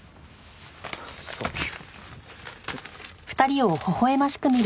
サンキュー。